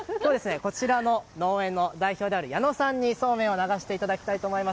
こちらの農園の代表である矢野さんに、そうめんを流していただきたいと思います。